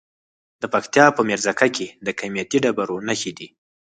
د پکتیا په میرزکه کې د قیمتي ډبرو نښې دي.